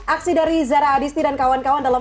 aksi dari zara adisti dan kawan kawan dalam